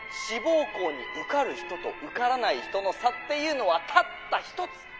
志望校に受かる人と受からない人の差っていうのはたった１つ。